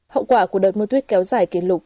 hậu quả của đợt mưa tuyết kéo dài kỷ lục